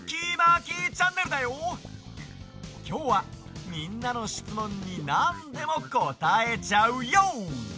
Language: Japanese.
きょうはみんなのしつもんになんでもこたえちゃうＹＯ！